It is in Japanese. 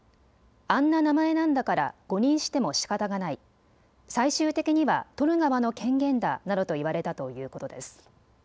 あんな名前なんだから誤認してもしかたがない最終的には採る側の権限だなどと言われたということです。